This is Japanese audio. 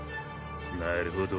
なるほど。